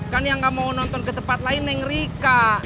kan yang nggak mau nonton ke tempat lain yang rika